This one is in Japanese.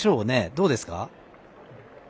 どうですか？